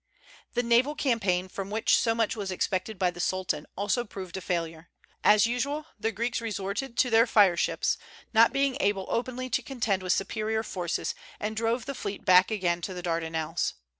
The naval campaign from which so much was expected by the Sultan also proved a failure. As usual the Greeks resorted to their fire ships, not being able openly to contend with superior forces, and drove the fleet back again to the Dardanelles.